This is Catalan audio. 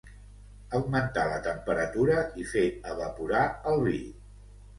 Augmentar la temperatura i fer evaporar el vi.